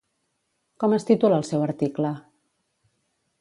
Com es titula el seu article?